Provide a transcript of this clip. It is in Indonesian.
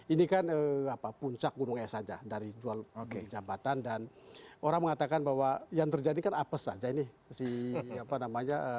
ini kan puncak gunung es saja dari jual beli jabatan dan orang mengatakan bahwa yang terjadi kan apes saja ini si apa namanya